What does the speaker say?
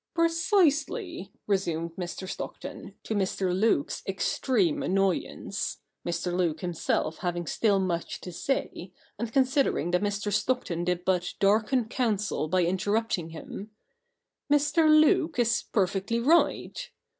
'Precisely,' resumed Mr. Stockton, to Mr. Luke's extreme annoyance — Mr. Luke himself having still much to say, and considering that Mr. Stockton did but darken counsel by interrupting him —' Mr. Luke is perfectly right.'